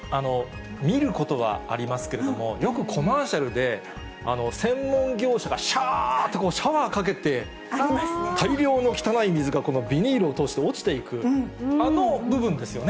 見ることはありますけれども、よくコマーシャルで専門業者がしゃーってシャワーかけて、大量の汚い水がビニールを通して落ちていく、あの部分ですよね。